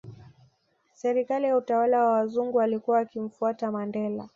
Serikali ya utawala wa wazungu walikuwa wakimtafuta Mandela